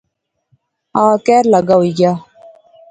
اہ کہھر لگا ہوئی گیا